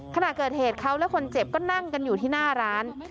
ขณะเกิดเหตุเขาและคนเจ็บก็นั่งกันอยู่ที่หน้าร้าน